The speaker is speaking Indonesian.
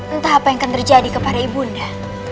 entah apa yang akan terjadi kepada ibu bunda